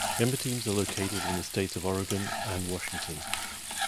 Member teams are located in the states of Oregon and Washington.